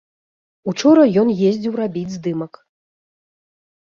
Учора ён ездзіў рабіць здымак.